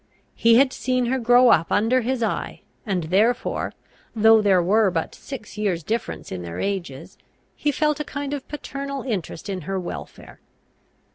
He had seen her grow up under his eye, and therefore, though there were but six years difference in their ages, he felt a kind of paternal interest in her welfare.